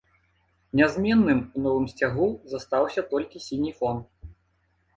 Нязменным у новым сцягу застаўся толькі сіні фон.